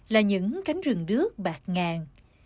là những cánh rừng đước bạc ngàn